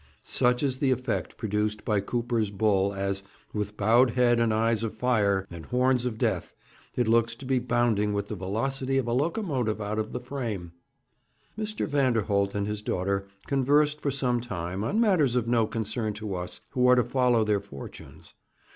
Such is the effect produced by Cooper's bull as, with bowed head and eyes of fire, and horns of death, it looks to be bounding with the velocity of a locomotive out of the frame. Mr. Vanderholt and his daughter conversed for some time on matters of no concern to us who are to follow their fortunes.